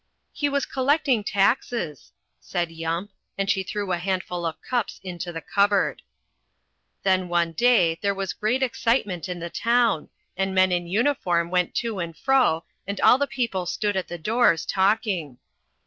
"He was collecting taxes," said Yump, and she threw a handful of cups into the cupboard. Then one day there was great excitement in the town, and men in uniform went to and fro and all the people stood at the doors talking.